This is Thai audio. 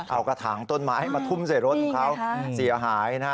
เอากระถางต้นไม้มาทุ่มใส่รถของเขาเสียหายนะฮะ